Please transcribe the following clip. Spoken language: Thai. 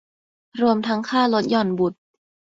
รวมทั้งค่าลดหย่อนบุตร